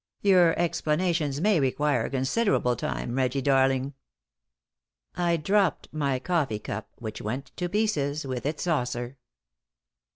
Your explanations may require considerable time, Reggie, darling." I dropped my coffee cup, which went to pieces with its saucer.